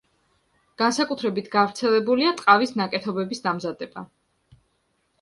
განსაკუთრებით გავრცელებულია ტყავის ნაკეთობების დამზადება.